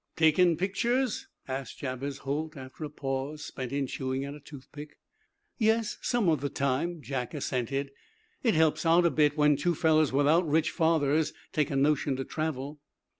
"Takin' pictures?" asked Jabez Holt, after a pause spent in chewing at a tooth pick. "Yes, some of the time," Jack assented. "It helps out a bit when two fellows without rich fathers take a notion to travel."